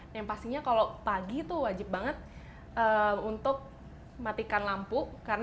yang pastinya kalau pagi tuh wajib banget untuk matikan lampu